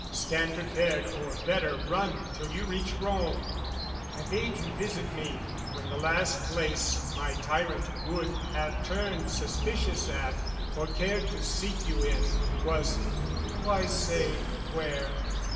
Stand "Prepared, or better, run till you reach Rome! "I bade you visit me, when the last place "My tyrant would have turned suspicious at, "Or cared to seek you in, was...why say, where?